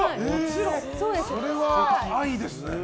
それは愛ですね。